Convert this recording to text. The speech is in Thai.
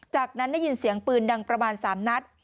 จากนั้นได้ยินเสียงปืนดังประมาณ๓นัด